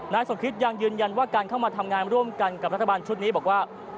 สมคิตยังยืนยันว่าการเข้ามาทำงานร่วมกันกับรัฐบาลชุดนี้บอกว่า